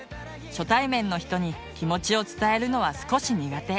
初対面の人に気持ちを伝えるのは少し苦手。